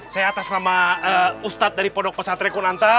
saya atas nama ustadz dari podok pesatri kunanta